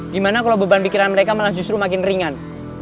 gimana kalau beban pikiran mereka malah justru makin ringan